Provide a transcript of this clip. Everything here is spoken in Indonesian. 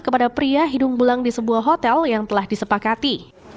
kepada pria hidung bulang di sebuah hotel yang telah disepakati